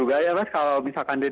ada yang berada di dalamnya